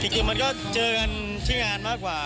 จริงมันก็เจอกันที่งานมากกว่า